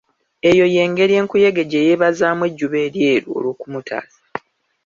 Eyo y'engeri enkuyege gye yebazaamu ejjuba eryeru olw'okumutaasa.